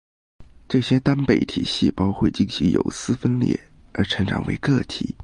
这些单倍体细胞会进行有丝分裂而成长为个体。